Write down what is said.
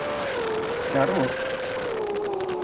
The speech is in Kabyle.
S tkeṛṛust!